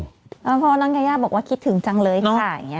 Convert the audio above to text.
เพราะน้องยายาบอกว่าคิดถึงจังเลยค่ะอย่างนี้